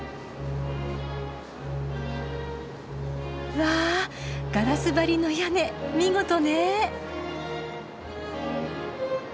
わあガラス張りの屋根見事ねぇ。